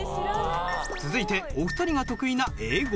続いてお二人が得意な英語。